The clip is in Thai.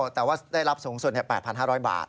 แต่ว่าได้รับสูงสุด๘๕๐๐บาท